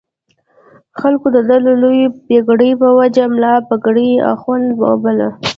خلکو د ده د لویې پګړۍ په وجه ملا پګړۍ اخُند باله.